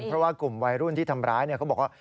เพราะว่ากลุ่มวัยรุ่นที่ทำร้ายเขาบอกว่า